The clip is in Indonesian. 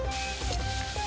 masjid agung sunda kelapa